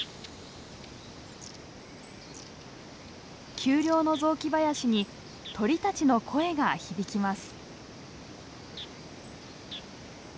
丘陵の雑木林に鳥たちの声が響きます。